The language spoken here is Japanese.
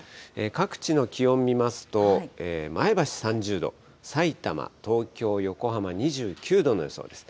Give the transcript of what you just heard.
各地の気温を見てみますと、前橋３０度、さいたま、東京、横浜２９度の予想です。